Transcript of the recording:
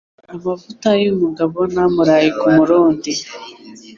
Amavuta y'umugabo ni amuraye ku murundi.